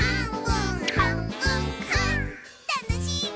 たのしいぐ！